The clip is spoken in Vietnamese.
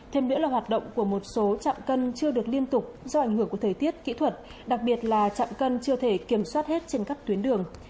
thêm nữa là hoạt động của một số chạm cân chưa được liên tục do ảnh hưởng của thời tiết kỹ thuật đặc biệt là chạm cân chưa thể kiểm soát hết trên các tuyến đường